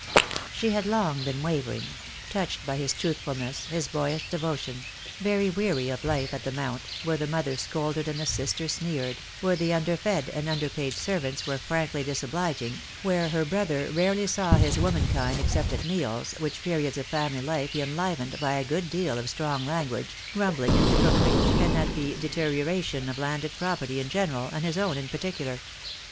She had long been wavering — touched by his truth fulness, his boyish devotion — very weary of life at the Mount, where the mother scolded and the sister sneered, where the underfed and underpaid servants were frankly disobliging, where her brother rarely saw his womankind except at meals, which periods of family life he enlivened by a good deal of strong language, grumbling at the cookery, and at the deterioration of landed property in general, and his own in particular.